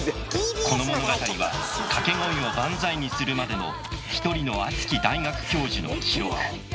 この物語は掛け声を「バンザイ」にするまでの一人の熱き大学教授の記録。